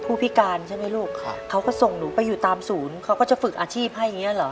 ผู้พิการใช่ไหมลูกเขาก็ส่งหนูไปอยู่ตามศูนย์เขาก็จะฝึกอาชีพให้อย่างเงี้เหรอ